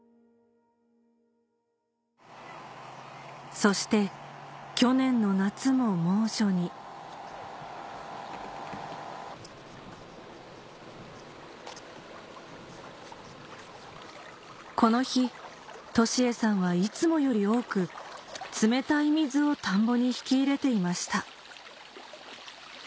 そして去年の夏も猛暑にこの日利栄さんはいつもより多く冷たい水を田んぼに引き入れていました